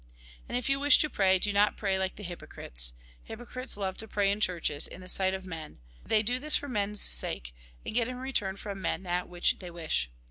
And, if you wish to pray, do not pray like the hypocrites. Hypocrites love to pray m churches, in the sight of men. They do this for men's sake, and get in return from men that which they wish.